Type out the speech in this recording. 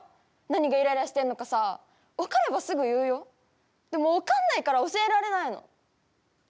何がイライラしてるのかさ分かればすぐ言うよでも分かんないから教えられないの。